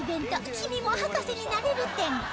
「君も博士になれる展」